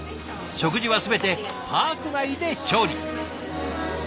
食事は全てパーク内で調理。